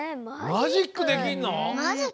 マジックできんの？